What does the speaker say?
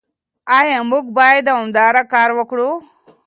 ايا موږ بايد دوامداره کار وکړو؟